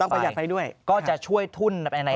ต้องประหยัดไฟด้วยก็จะช่วยทุนในระดับหนึ่ง